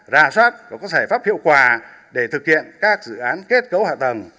rà soát và có giải pháp hiệu quả để thực hiện các dự án kết cấu hạ tầng